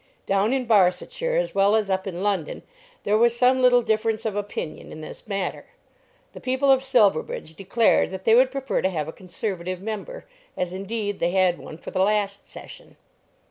Down in Barsetshire, as well as up in London, there was some little difference of opinion in this matter. The people of Silverbridge declared that they would prefer to have a Conservative member, as indeed they had one for the last Session.